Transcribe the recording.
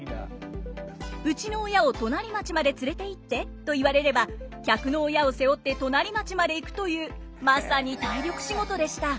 「うちの親を隣町まで連れていって」と言われれば客の親を背負って隣町まで行くというまさに体力仕事でした。